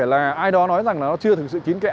là ai đó nói rằng nó chưa thực sự kín kẽ